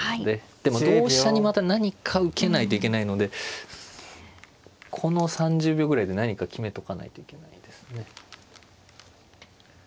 でも同飛車にまた何か受けないといけないのでこの３０秒ぐらいで何か決めとかないといけないですね。